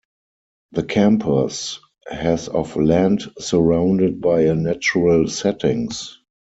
The campus has of land surrounded by a natural settings.